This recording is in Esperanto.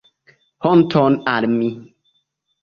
Honton al mi.